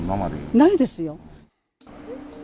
ないですよ。